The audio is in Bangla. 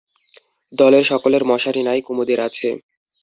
দলের সকলের মশারি নাই, কুমুদের আছে।